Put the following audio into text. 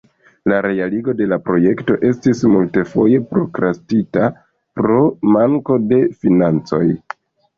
La realigo de la projekto estis multfoje prokrastita pro manko de financoj.